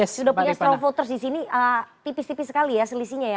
sudah punya strong voters disini tipis tipis sekali ya selisihnya ya